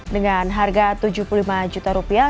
dengan harga tujuh puluh lima juta rupiah